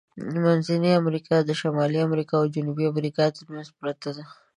منځنۍ امریکا د شمالی امریکا او جنوبي ترمنځ پرته ده.